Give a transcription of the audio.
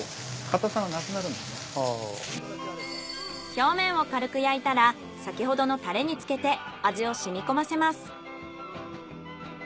表面を軽く焼いたら先ほどのタレに漬けて味を染みこませます。